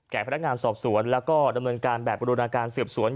แก่พนักงานสอบสวนและดำเนินการแบบอุโดนาการเกิดสวน